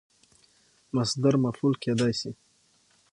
مصدر مفعول کېدای سي.